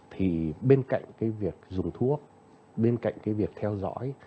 thì bên cạnh cái việc dùng thuốc bên cạnh cái việc theo dõi